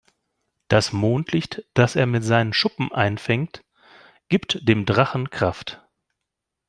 Das Mondlicht, das er mit seinen Schuppen einfängt, gibt dem Drachen Kraft.